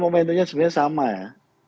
momentnya sebenarnya sama ya